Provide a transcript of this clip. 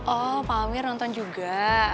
oh pak amir nonton juga